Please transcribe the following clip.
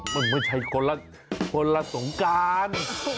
มันไม่ใช่คนละสงการ